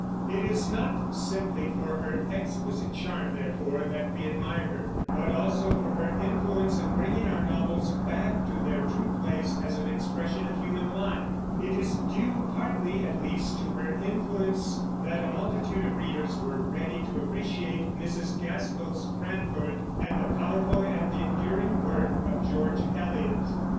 It is not simply for her exquisite charm, therefore, that we admire her, but also for her influence in bringing our novels back to their true place as an expression of human life. It is due partly, at least, to her influence that a multitude of readers were ready to appreciate Mrs. Gaskell's Cranford, and the powerful and enduring work of George Eliot.